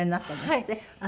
はい。